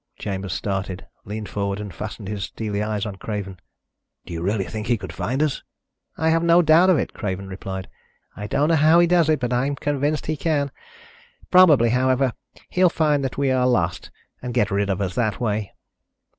Chambers started, leaned forward and fastened his steely eyes on Craven. "Do you really think he could find us?" "I have no doubt of it," Craven replied. "I don't know how he does it, but I'm convinced he can. Probably, however, he'll find that we are lost and get rid of us that way."